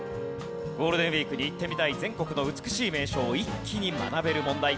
ゴールデンウィークに行ってみたい全国の美しい名所を一気に学べる問題。